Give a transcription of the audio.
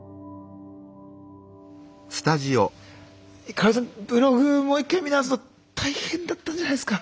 香さんブログもう一回見直すの大変だったんじゃないですか？